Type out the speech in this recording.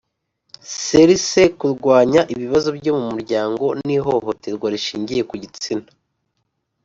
crc kurwanya ibibazo byo mu miryango n ihohoterwa rishingiye ku gitsina